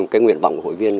cái nguyện bỏng của hội viên